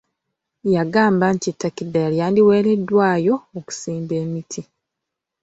Yagamba nti ettaka eddala lyandiweereddayo okusimba emiti.